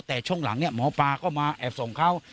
แต่ช่วงหลังเนี่ยหมอปลาก็มาแอบส่งเขา